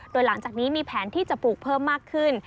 โดยหลังจากนี้มีแผนที่จะปลูกเพิ่มมากขึ้น